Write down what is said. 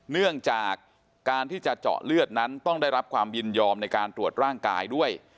เนื่องจากการที่จะเจาะเลือดนั้นต้องได้รับความยินยอมในการตรวจร่างกายด้วย